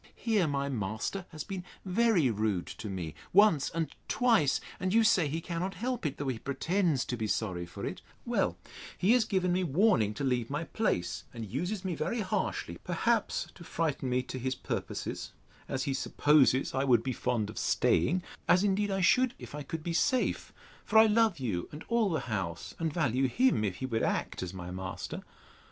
Here my master has been very rude to me, once and twice; and you say he cannot help it, though he pretends to be sorry for it: Well, he has given me warning to leave my place, and uses me very harshly; perhaps to frighten me to his purposes, as he supposes I would be fond of staying (as indeed I should, if I could be safe; for I love you and all the house, and value him, if he would act as my master).